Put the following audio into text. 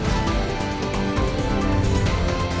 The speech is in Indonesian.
silahkan bu kita lanjut kali ya bu